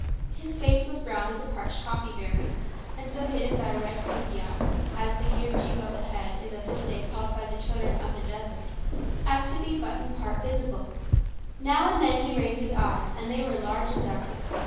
His face was brown as a parched coffee berry, and so hidden by a red kufiyeh (as the kerchief of the head is at this day called by the children of the desert) as to be but in part visible. Now and then he raised his eyes, and they were large and dark.